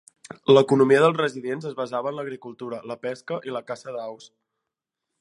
L'economia dels residents es basava en l'agricultura, la pesca i la caça d'aus.